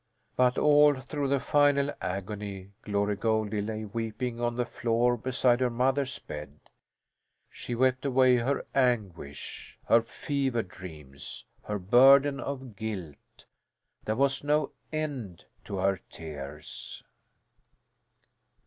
But all through the final agony Glory Goldie lay weeping on the floor beside her mother's bed; she wept away her anguish; her fever dreams; her burden of guilt. There was no end to her tears.